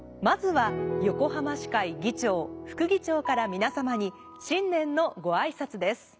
まずは横浜市会議長副議長から皆様に新年のごあいさつです。